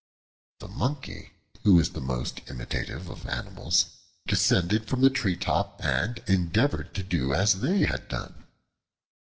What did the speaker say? The Monkey, who is the most imitative of animals, descended from the treetop and endeavored to do as they had done.